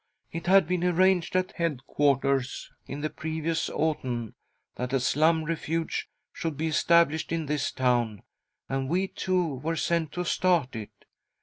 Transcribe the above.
" It had been arranged at head quarters, in the previous, autumn, that a Slum Refuge should be established in this town, and we two were sent to start it.